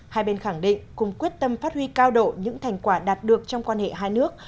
hai bên khẳng định cùng quyết tâm phát huy cao độ những thành quả đạt được trong quan hệ hai nước